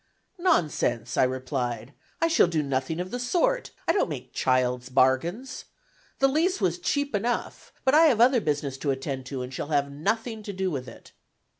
"Nonsense," I replied, "I shall do nothing of the sort, I don't make child's bargains. The lease was cheap enough, but I have other business to attend to, and shall have nothing to do with it."